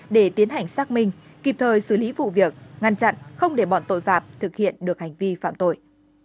để tiến hành xác minh kịp thời xử lý vụ việc ngăn chặn không để bọn tội phạm thực hiện được hành vi phạm tội